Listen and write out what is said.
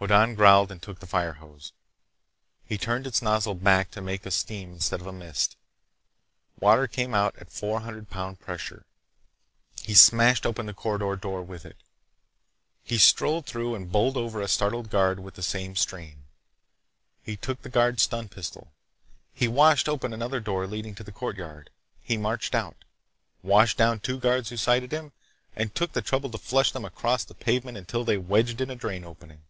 Hoddan growled and took the fire hose. He turned its nozzle back to make a stream instead of a mist. Water came out at four hundred pounds pressure. He smashed open the corridor door with it. He strolled through and bowled over a startled guard with the same stream. He took the guard's stun pistol. He washed open another door leading to the courtyard. He marched out, washed down two guards who sighted him, and took the trouble to flush them across the pavement until they wedged in a drain opening.